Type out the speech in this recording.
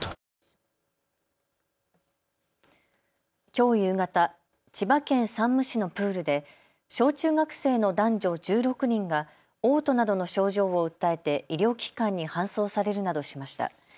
きょう夕方、千葉県山武市のプールで小中学生の男女１６人がおう吐などの症状を訴えて医療機関に搬送されるなどしました。